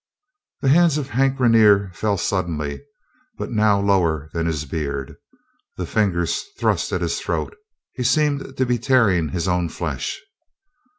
The hands of Hank Rainer fell suddenly, but now lower than his beard. The fingers thrust at his throat he seemed to be tearing his own flesh.